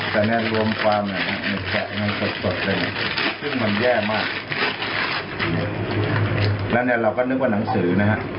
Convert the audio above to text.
แต่เนี้ยรวมความเนี้ยนะครับมันแย่มากแล้วเนี้ยเราก็นึกว่านังสือนะฮะ